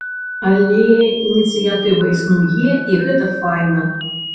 Але ініцыятыва існуе і гэта файна.